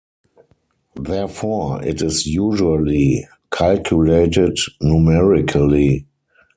Therefore, it is usually calculated numerically.